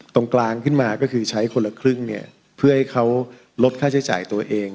ตรงกลางขึ้นมาก็คือใช้คนละครึ่งเนี่ยเพื่อให้เขาลดค่าใช้จ่ายตัวเอง